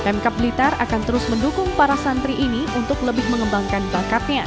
pemkap blitar akan terus mendukung para santri ini untuk lebih mengembangkan bakatnya